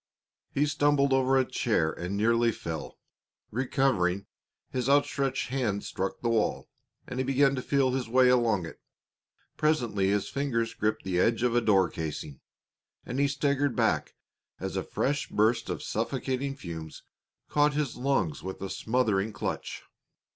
He stumbled over a chair and nearly fell. Recovering, his outstretched hands struck the wall, and he began to feel his way along it. Presently his fingers gripped the edge of a door casing, and he staggered back as a fresh burst of suffocating fumes caught his lungs with a smothering clutch.